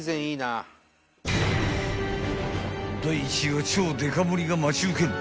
［第１位は超デカ盛りが待ち受ける］